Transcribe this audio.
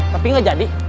tapi gak jadi